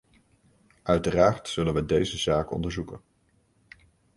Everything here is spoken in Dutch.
Uiteraard zullen we deze zaak onderzoeken.